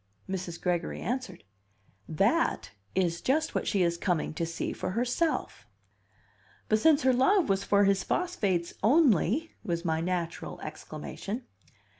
Mrs. Gregory answered. "That is just what she is coming to see for herself." "But since her love was for his phosphates only !" was my natural exclamation.